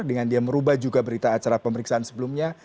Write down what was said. dengan dia merubah juga berita acara pemeriksaan sebelumnya